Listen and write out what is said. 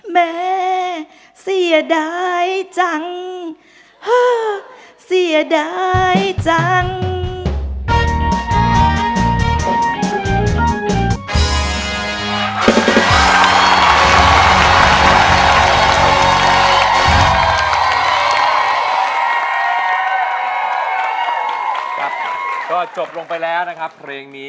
แม่เสียดายจัง